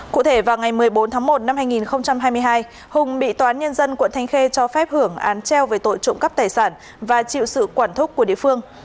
cụ thể vào ngày một mươi bốn tháng một năm hai nghìn hai mươi hai hùng bị toán nhân dân quận thanh khê cho phép hưởng án treo về tội trộm cắp tài sản và chịu sự quản thúc của địa phương